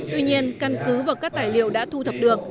tuy nhiên căn cứ và các tài liệu đã thu thập được